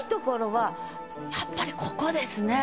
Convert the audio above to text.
やっぱりここですね。